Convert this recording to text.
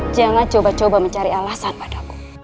jangan coba coba mencari alasan padaku